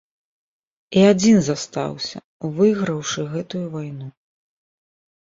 І адзін застаўся, выйграўшы гэтую вайну.